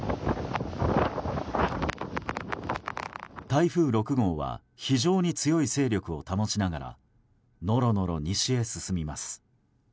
台風６号は非常に強い勢力を保ちながらノロノロ西へ進みます。